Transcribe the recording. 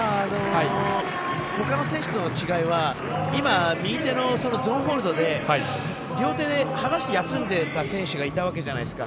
他の選手との違いは右手のゾーンホールドで両手で離して休んでた選手がいたわけじゃないですか。